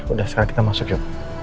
udah sekarang kita masuk yuk